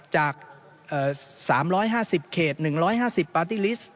จาก๓๕๐เขต๑๕๐ปาร์ตี้ลิสต์